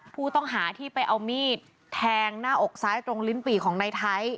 ผู้ต้องหาที่ไปเอามีดแทงหน้าอกซ้ายตรงลิ้นปี่ของในไทย